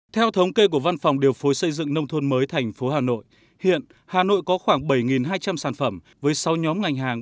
theo thống kê của văn phòng điều phối xây dựng nông thôn mới thành phố hà nội hiện hà nội có khoảng bảy hai trăm linh sản phẩm với sáu nhóm ngành hàng